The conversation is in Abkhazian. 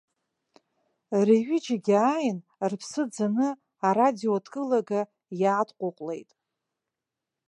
Рҩыџьегьы ааин, рыԥсы ӡаны арадиодкылага иаадҟәыҟәлеит.